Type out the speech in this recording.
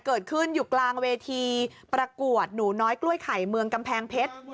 เกิดขึ้นอยู่กลางเวทีประกวดหนูน้อยกล้วยไข่เมืองกำแพงเพชร